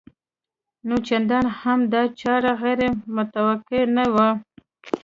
نو چندان هم دا چاره غیر متوقع نه وه